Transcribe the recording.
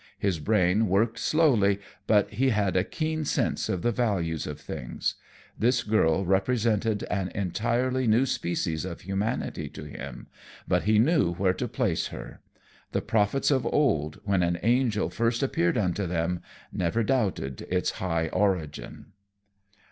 His brain worked slowly, but he had a keen sense of the values of things. This girl represented an entirely new species of humanity to him, but he knew where to place her. The prophets of old, when an angel first appeared unto them, never doubted its high origin.